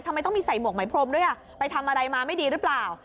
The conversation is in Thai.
ทำไมต้องมีใส่หมวกไหมพรมด้วยไปทำอะไรมาไม่ดีหรือเปล่า